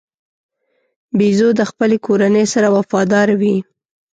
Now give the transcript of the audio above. بیزو د خپلې کورنۍ سره وفاداره وي.